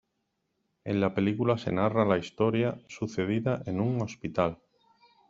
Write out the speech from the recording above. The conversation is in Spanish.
En la película se narra la historia sucedida en un hospital.